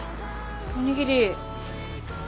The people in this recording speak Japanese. おにぎり。